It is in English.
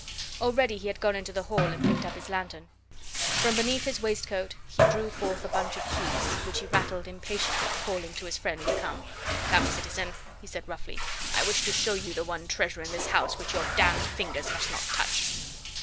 Already he had gone into the hall and picked up his lanthorn. From beneath his waistcoat he drew forth a bunch of keys, which he rattled impatiently, calling to his friend to come. "Come, citizen," he said roughly. "I wish to show you the one treasure in this house which your d d fingers must not touch."